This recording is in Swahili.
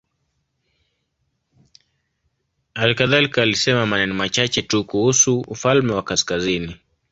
Hali kadhalika alisema maneno machache tu kuhusu ufalme wa kaskazini.